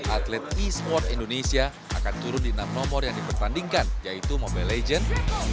atlet e sports indonesia akan turun di enam nomor yang dipertandingkan yaitu mobile legends